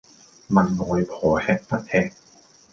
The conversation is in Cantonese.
問外婆吃不吃